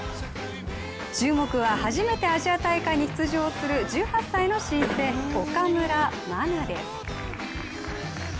注目は、初めてアジア大会に出場する１８歳の新星、岡村真です。